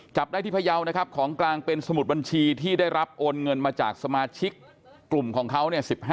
จับได้ที่พยาวนะครับของกลางเป็นสมุดบัญชีที่ได้รับโอนเงินมาจากสมาชิกกลุ่มของเขาเนี่ย๑๕